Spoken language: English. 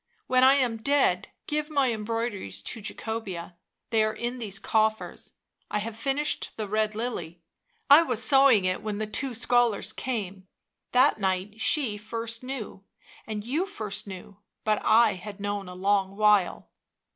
When I am dead give my embroideries to Jacobea, they are in these coffers; I have finished the red lily — I was sewing it when the two scholars came, that night she first knew— and you first knew — but I had known a long while."